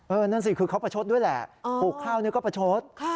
นั่นสิคือเขาประชดด้วยแหละปลูกข้าวนี่ก็ประชด